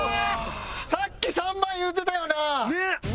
さっき３番言うてたよな？